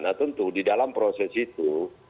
nah tentu di dalam proses itu